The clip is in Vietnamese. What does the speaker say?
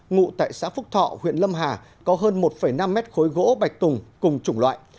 ngụ tại xã phúc thọ huyện lâm hà có hơn một năm mét khối gỗ bạch tùng cùng chủng loại